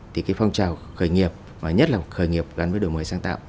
thì cái phong trào khởi nghiệp nhất là khởi nghiệp gắn với đổi mới sáng tạo